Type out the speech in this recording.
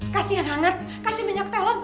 kasian hangat kasih minyak telon